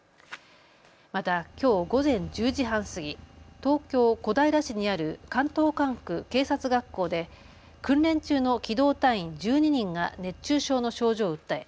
またきょう午前１０時半過ぎ、東京小平市にある関東管区警察学校で訓練中の機動隊員１２人が熱中症の症状を訴え